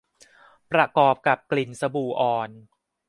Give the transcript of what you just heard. ประกอบกับกลิ่นสบู่อ่อน